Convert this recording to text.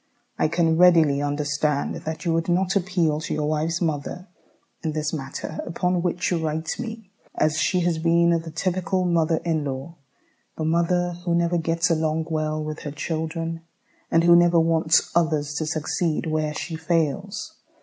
I can readily understand that you would not appeal to your wife's mother in this matter upon which you write me, as she has been the typical mother in law, the woman who never gets along well with her children, and who never wants others to succeed where she fails.